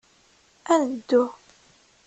Ad neddu.